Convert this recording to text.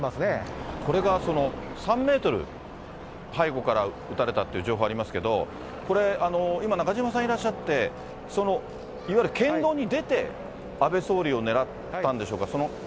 これがその、３メートル背後から撃たれたという情報ありますけど、これ、今、中島さんいらっしゃって、いわゆる県道に出て、安倍総理を狙ったんでしょうか。